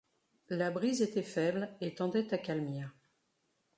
La brise était faible et tendait à calmir